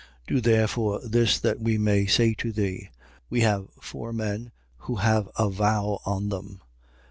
21:23. Do therefore this that we say to thee. We have four men, who have a vow on them.